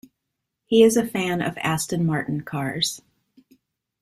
He is a fan of Aston Martin cars.